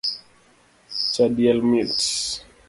Cha diel mit